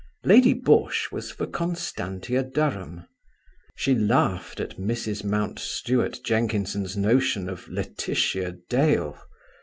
Lady Busshe was for Constantia Durham. She laughed at Mrs Mountstuart Jenkinson's notion of Laetitia Dale.